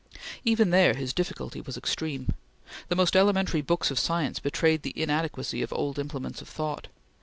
Even there his difficulty was extreme. The most elementary books of science betrayed the inadequacy of old implements of thought.